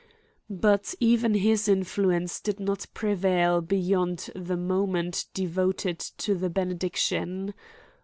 But even his influence did not prevail beyond the moment devoted to the benediction.